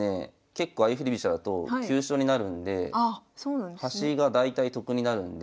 結構相振り飛車だと急所になるんで端が大体得になるんで。